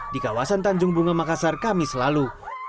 di kawasan tanjung bunga makassar kami selalu